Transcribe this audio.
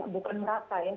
bukan merata ya